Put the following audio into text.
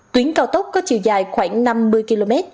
tuyến cao tốc có chiều dài khoảng năm mươi km